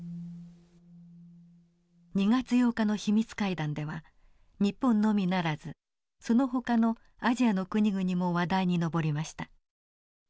２月８日の秘密会談では日本のみならずそのほかのアジアの国々も話題に上りました。